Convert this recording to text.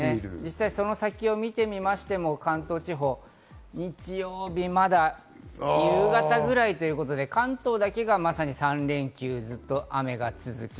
その先を見てみましても、関東地方、日曜日はまだ夕方ぐらいということで、関東だけがまさに３連休、ずっと雨が続く。